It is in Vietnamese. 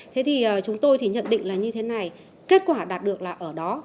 thế thì chúng tôi thì nhận định là như thế này kết quả đạt được là ở đó